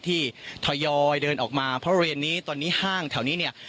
ทยอยเดินออกมาเพราะเรียนนี้ตอนนี้ห้างแถวนี้เนี่ย